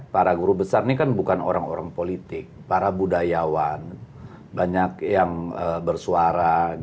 para guru besar ini kan bukan orang orang politik para budayawan banyak yang bersuara